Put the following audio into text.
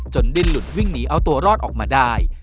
ดิ้นหลุดวิ่งหนีเอาตัวรอดออกมาได้